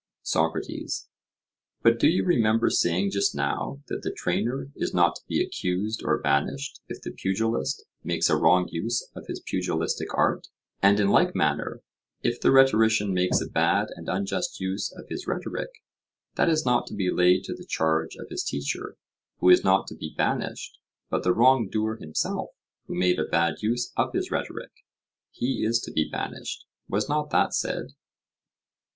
SOCRATES: But do you remember saying just now that the trainer is not to be accused or banished if the pugilist makes a wrong use of his pugilistic art; and in like manner, if the rhetorician makes a bad and unjust use of his rhetoric, that is not to be laid to the charge of his teacher, who is not to be banished, but the wrong doer himself who made a bad use of his rhetoric—he is to be banished—was not that said?